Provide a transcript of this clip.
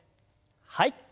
はい。